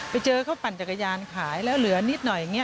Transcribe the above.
ไปเจอเขาปั่นจักรยานขายแล้วเหลือนิดหน่อยอย่างนี้